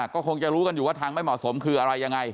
ก็คงจะรู้กันอยู่ว่าทางไม่เหมาะสมคืออะไรยังไง